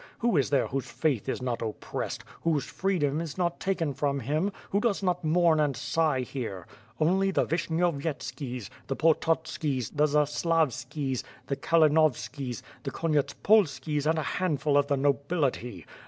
Who is there whose faith is not oppressed, whose freedom is not taken from him, who does not mourn and sigh here? Only the Vishnyovyetskis, the Pototskis, the Zaslavskis, the Kalinovskis, the Konyetspolskis and a handful of the nobility!